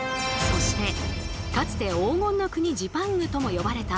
そしてかつて黄金の国ジパングとも呼ばれた